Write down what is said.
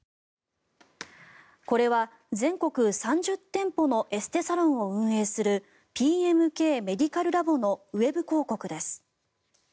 これは全国３０店舗のエステサロンを運営するＰＭＫメディカルラボのウェブ広告です。